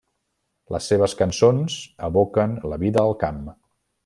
Les seves cançons evoquen la vida al camp.